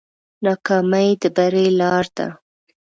ناکامي د بری لاره ده.